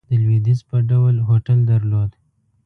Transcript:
د لوېدیځ په ډول هوټل درلود.